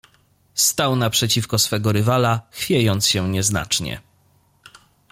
"Stał naprzeciwko swego rywala, chwiejąc się nieznacznie."